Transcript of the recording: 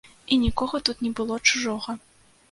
І нікога тут не было чужога.